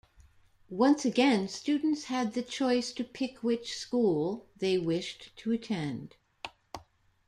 Once again, students had the choice to pick which school they wished to attend.